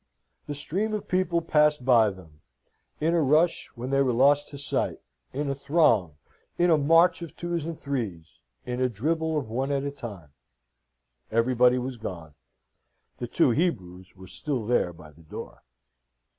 The stream of people passed by them in a rush, when they were lost to sight, in a throng in a march of twos and threes in a dribble of one at a time. Everybody was gone. The two Hebrews were still there by the door.